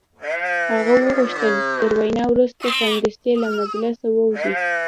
هغه غوښتل تر وینا وروسته سمدستي له مجلسه ووځي